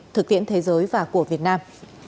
thực tiễn thế giới và của việt nam